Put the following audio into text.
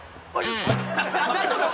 大丈夫！？